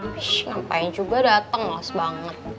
wih ngapain juga dateng los banget